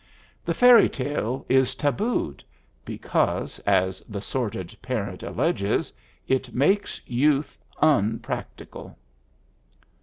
The fairy tale is tabooed because, as the sordid parent alleges, it makes youth unpractical.